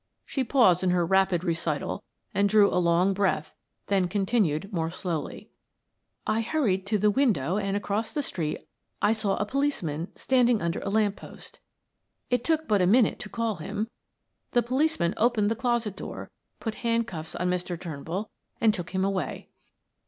She paused in her rapid recital and drew a long breath, then continued more slowly: "I hurried to the window and across the street I saw a policeman standing under a lamp post. It took but a minute to call him. The policeman opened the closet door, put handcuffs on Mr. Turnbull and took him away."